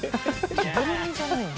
着ぐるみじゃないの？